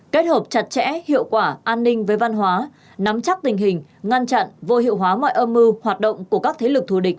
kết hợp chặt chẽ hiệu quả an ninh với văn hóa nắm chắc tình hình ngăn chặn vô hiệu hóa mọi âm mưu hoạt động của các thế lực thù địch